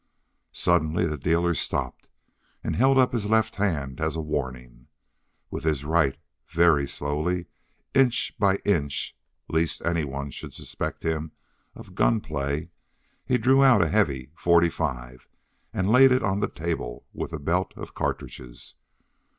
Suddenly the dealer stopped and held up his left hand as a warning. With his right, very slowly, inch by inch lest anyone should suspect him of a gunplay, he drew out a heavy forty five and laid it on the table with the belt of cartridges.